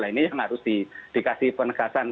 nah ini yang harus dikasih penegasan